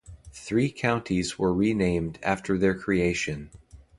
Three counties were renamed after their creation.